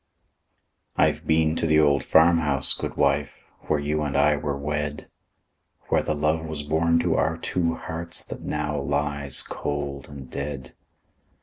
I've been to the old farm house, good wife, Where you and I were wed; Where the love was born to our two hearts That now lies cold and dead.